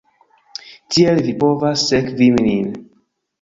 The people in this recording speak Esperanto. Tiel vi povas sekvi nin